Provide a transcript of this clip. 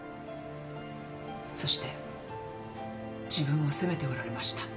そして自分を責めておられました。